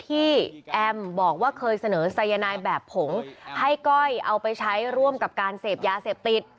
แอมบอกว่าเคยเสนอสายนายแบบผงให้ก้อยเอาไปใช้ร่วมกับการเสพยาเสพติด